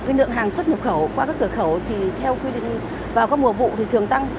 nước hàng xuất nhập khẩu qua các cửa khẩu theo quy định vào các mùa vụ thường tăng